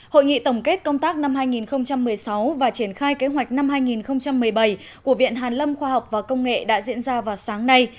hội nghị tổng kết công tác năm hai nghìn một mươi sáu và triển khai kế hoạch năm hai nghìn một mươi bảy của viện hàn lâm khoa học và công nghệ đã diễn ra vào sáng nay